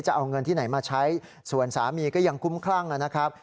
จะเอาเงินที่ไหนมาใช้ส่วนสามีก็ยังคุ้มคลั่งนะครับ